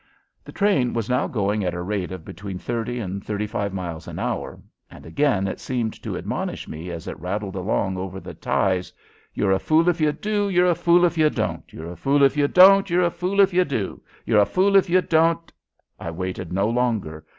The train was now going at a rate of between thirty and thirty five miles an hour, and again it seemed to admonish me, as it rattled along over the ties: "You're a fool if you do; you're a fool if you don't! You're a fool if you don't; you're a fool if you do! You're a fool if you don't " I waited no longer.